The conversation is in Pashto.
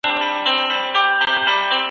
کله به افغانستان د برېښنا له پلوه ځان بسیا سي؟